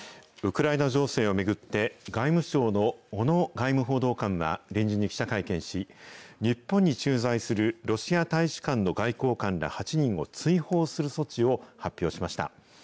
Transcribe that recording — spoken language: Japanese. ウクライナ情勢を巡って、外務省の小野外務報道官が臨時に記者会見し、日本に駐在するロシア大使館の外交官ら８人を追放する措置を発表しました。